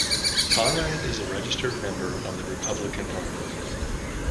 Conrad is a registered member of the Republican Party.